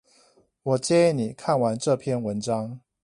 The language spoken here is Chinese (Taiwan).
我建議你看完這篇文章